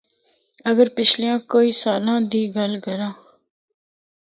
اگر پچھلیاں کوئی سالاں دی گل کراں۔